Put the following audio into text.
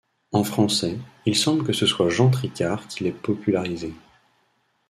En français, il semble que ce soit Jean Tricart qui l'ait popularisé.